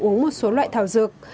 uống một số loại thảo dược